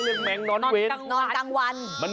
ก็เรียกแมงนอนเว้น